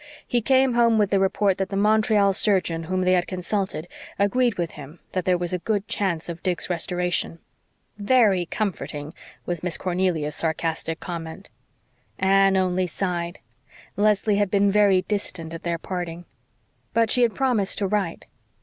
He came home with the report that the Montreal surgeon whom they had consulted agreed with him that there was a good chance of Dick's restoration. "Very comforting," was Miss Cornelia's sarcastic comment. Anne only sighed. Leslie had been very distant at their parting. But she had promised to write.